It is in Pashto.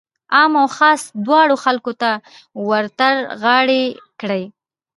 عام او خاص دواړو خلکو ته ورترغاړه کړي.